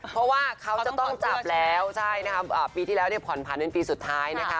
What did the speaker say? เพราะว่าเขาจะต้องจับแล้วปีที่แล้วผ่อนผัน๑ปีสุดท้าย